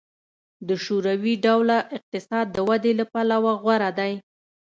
د شوروي ډوله اقتصاد د ودې له پلوه غوره دی